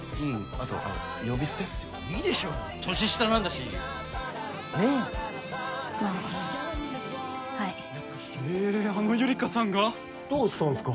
あと呼び捨てっすよいいでしょ年下なんだしねえまあはいええあのゆりかさんがどうしたんすか？